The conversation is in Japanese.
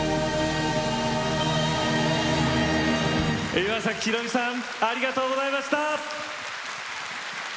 岩崎宏美さんありがとうございました。